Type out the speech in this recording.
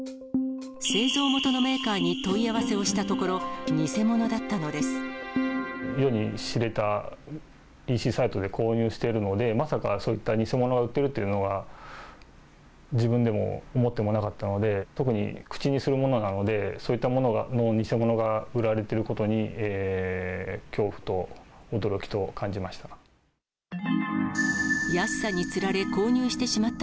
製造元のメーカーに問い合わせを世に知れた、ＥＣサイトで購入しているので、まさかそういった偽物が売っているというのは、自分でも思ってもなかったので、特に口にするものなので、そういったものの偽物が売られていることに、恐怖と驚きと、感じました。